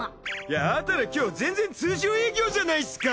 あたら今日全然通常営業じゃないっすか！